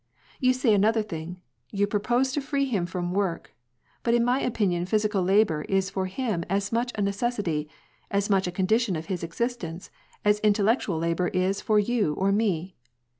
You say another thing : you propose to free him from work, but in my opinion physical labor is for him as much a necessity, as much a condition of his existence, as intellectual labor is for you or me.